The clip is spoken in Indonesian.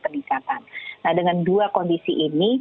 peningkatan nah dengan dua kondisi ini